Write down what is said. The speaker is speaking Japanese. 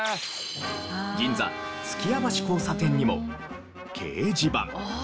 銀座数寄屋橋交差点にも掲示板。